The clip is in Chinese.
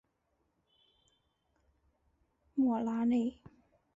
莫拉内。